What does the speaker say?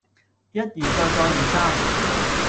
一而再再而三